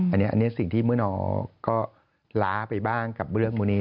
อันนี้สิ่งที่เมื่อนอก็้าไปบ้างกับเรื่องพวกนี้